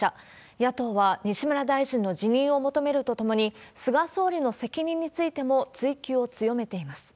野党は西村大臣の辞任を求めるとともに、菅総理の責任についても追及を強めています。